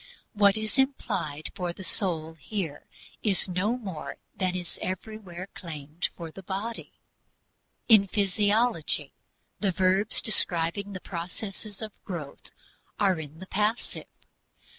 What is implied for the soul here is no more than is everywhere claimed for the body. In physiology the verbs describing the processes of growth are in the passive.